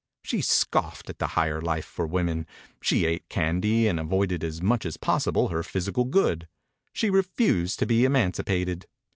She scoffed at the Higher Life for Women; she ate candy and avoided as much as possible her physical good. She refused to be emancipated.